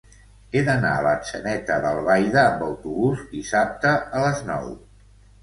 He d'anar a Atzeneta d'Albaida amb autobús dissabte a les nou.